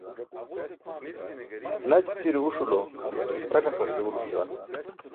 Naćićire uṣu lo ṭʰaṭaqas i̇ġulum juwan.